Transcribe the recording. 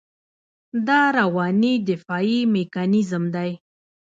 دا رواني دفاعي میکانیزم دی.